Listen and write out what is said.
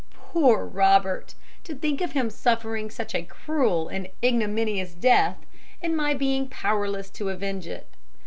"Poor Robert! To think of him suffering such a cruel and ignominious death, and my being powerless to avenge it.